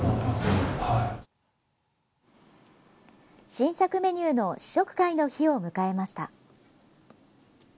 新作メニューの試食会の日を迎えました。